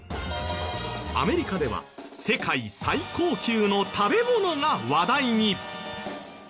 アメリカでは世界最高級の食べ物が話題に。